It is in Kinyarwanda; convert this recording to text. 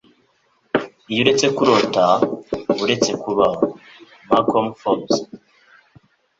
Iyo uretse kurota uba uretse kubaho.” —Malkolm Forbes